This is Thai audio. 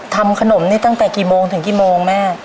ทำขนมนี่ตั้งแต่กี่โมงถึงกี่โมงแม่